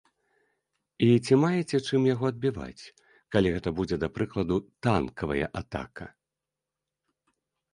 І ці маеце чым яго адбіваць, калі гэта будзе, да прыкладу, танкавая атака?